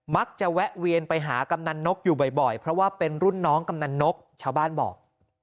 แวะเวียนไปหากำนันนกอยู่บ่อยเพราะว่าเป็นรุ่นน้องกำนันนกชาวบ้านบอก